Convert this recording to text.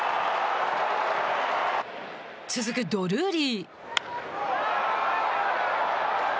続くドルーリー。